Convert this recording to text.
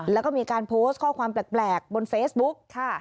แล้วก็มีการโพสต์ข้อความแปลกบนเฟซบุ๊กค่ะ